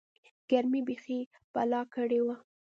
گرمۍ بيخي بلا کړې وه.